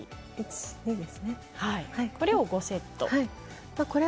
これを５セット。